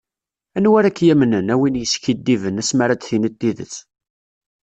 Anwa ara ak-yamnen, a win yeskiddiben, asmi ara d-tiniḍ tidet.